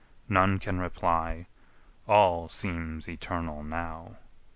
None can reply all seems eternal now.